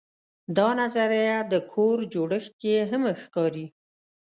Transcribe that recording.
دا نظریه د کور جوړښت کې هم ښکاري.